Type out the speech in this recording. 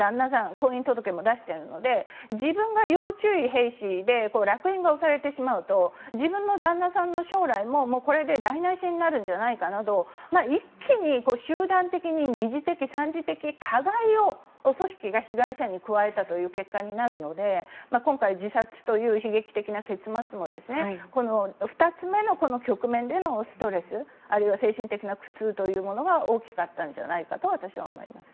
婚姻届も出しているので自分が要注意の兵士というらく印を押されてしまうと自分の旦那さんの将来もこれで台無しになるんじゃないかなど一気に集団的に二次的、三次的加害を組織が被害者に加えたという結果になるので今回、自殺という悲劇的な結末も２つ目の局面でのストレスあるいは精神的な苦痛というものが大きかったんじゃないかと私は思います。